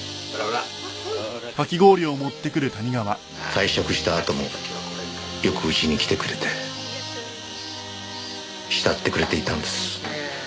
退職したあともよくうちに来てくれて慕ってくれていたんです。